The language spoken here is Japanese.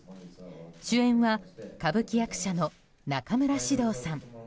主演は歌舞伎役者の中村獅童さん。